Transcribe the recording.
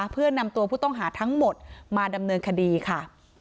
เพื่อนำตัวผู้ต้องหาทั้งหมดมาดำเนินคดีค่ะ